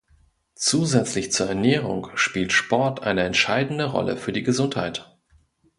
Zusätzlich zur Ernährung spielt Sport eine entscheidende Rolle für die Gesundheit.